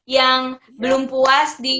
yang belum puas di